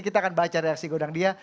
kita akan baca reaksi gudang dia